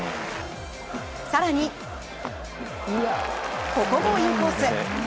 更に、ここもインコース。